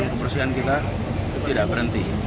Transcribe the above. kebersihan kita tidak berhenti